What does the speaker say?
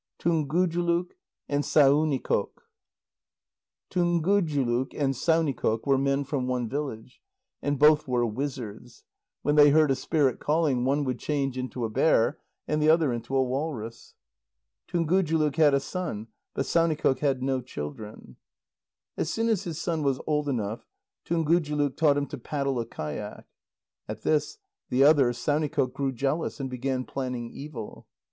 TUNGUJULUK AND SAUNIKOQ Tungujuluk and Saunikoq were men from one village. And both were wizards. When they heard a spirit calling, one would change into a bear, and the other into a walrus. Tungujuluk had a son, but Saunikoq had no children. As soon as his son was old enough, Tungujuluk taught him to paddle a kayak. At this the other, Saunikoq, grew jealous, and began planning evil.